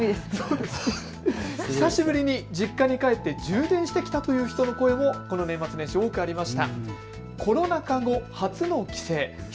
久しぶりに実家に帰って充電したという人の声も年末年始多くありました。